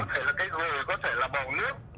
có thể là cái người có thể là bầu nước